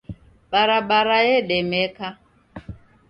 Barabara yedemeka.